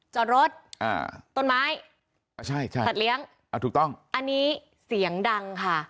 จอดรถต้นไม้ถัดเลี้ยงอันนี้เสียงดังค่ะ